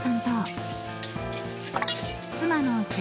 ［妻の］うち？